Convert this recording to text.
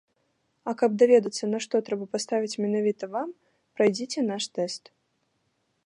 А каб даведацца, на што трэба паставіць менавіта вам, прайдзіце наш тэст.